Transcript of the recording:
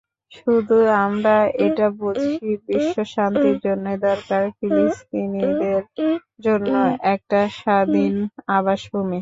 শুধু আমরা এটা বুঝি, বিশ্বশান্তির জন্যই দরকার ফিলিস্তিনিদের জন্য একটা স্বাধীন আবাসভূমি।